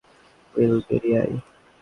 Will, বেরিয়ে আয়।